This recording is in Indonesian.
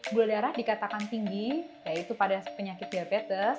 gula darah dikatakan tinggi yaitu pada penyakit diabetes